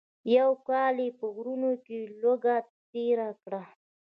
یو کال یې په غرونو کې لوږه تېره کړه.